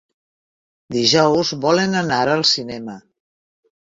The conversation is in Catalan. Dijous volen anar al cinema.